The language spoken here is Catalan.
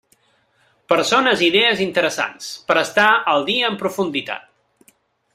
Persones i idees interessants, per estar al dia en profunditat.